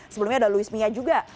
sebelumnya ada louis mia juga